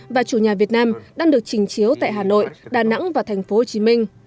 và chủ nhà việt nam đang được trình chiếu tại hà nội đà nẵng và thành phố hồ chí minh